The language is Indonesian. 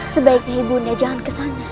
sebaiknya ibu nda jangan ke sana